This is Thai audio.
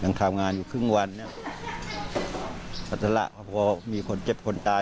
อย่างทำงานอยู่ครึ่งวันเนี่ยสัตว์ศรรทราพรอบพอมีคนเจ็บคนตาย